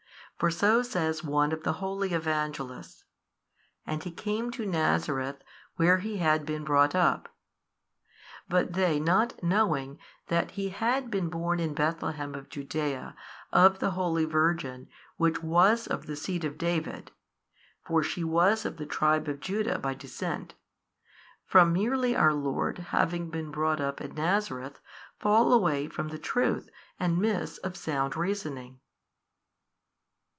For so says one of the holy Evangelists, And He came to Nazareth where He had been brought up. But they not knowing that He had been born in Bethlehem of Judaea of the Holy Virgin which was of the seed of David (for she was of the tribe of Judah by descent), from merely our Lord having been brought up at Nazareth fall away from the truth and miss of sound reasoning.